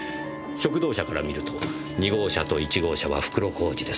食堂車から見ると２号車と１号車は袋小路です。